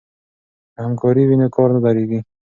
که همکاري وي نو کار نه درنیږي.